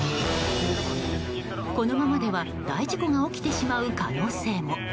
このままでは大事故が起きてしまう可能性も。